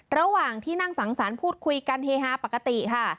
ระหว่างที่นั่งสังสรรค์พูดคุยกันเฮฮาปกติค่ะ